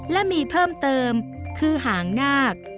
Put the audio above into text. และมีเพิ่มเติมคือหางนาค